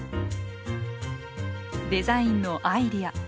デザインのアイデア。